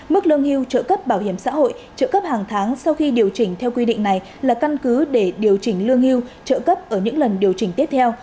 mức lương hưu trợ cấp bảo hiểm xã hội trợ cấp hàng tháng sau khi điều chỉnh theo quy định này là căn cứ để điều chỉnh lương hưu trợ cấp ở những lần điều chỉnh tiếp theo